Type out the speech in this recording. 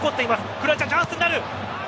クロアチア、チャンスになる。